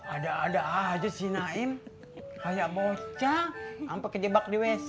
ada ada aja sih naim kayak bocah sampai kejebak di wc